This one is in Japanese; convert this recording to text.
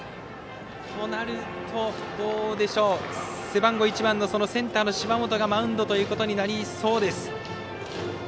となると、背番号１番のセンターの芝本がマウンドということになりそうです。